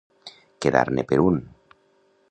Quedar-ne per un.